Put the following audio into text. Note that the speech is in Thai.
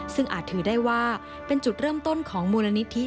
ซึ่งอาจถือได้ว่าเป็นจุดเริ่มต้นของมูลนิธิ